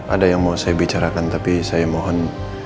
ada yang mau saya bicarakan tapi saya mohon